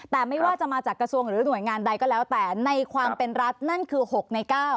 แต่ไม่ว่าจะมาจากกระทรวงหรือหน่วยงานใดก็แล้วแต่ในความเป็นรัฐนั่นคือ๖ใน๙